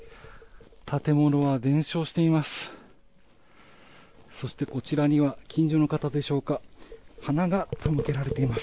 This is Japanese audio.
建物は全焼しています。